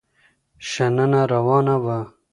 شننه روانه وه.